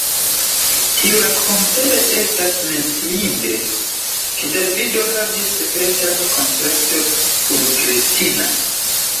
Tiurakontere estas menciinde, ke Davido havis sekretan kontrakton kun Kristina.